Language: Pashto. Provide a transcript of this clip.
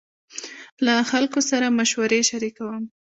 له خلکو سره مشورې شريکوم.